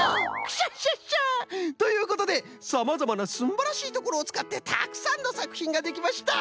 クシャシャシャ！ということでさまざまなすんばらしいところをつかってたくさんのさくひんができました。